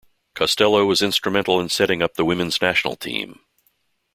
Costello was instrumental in setting up the women's national team.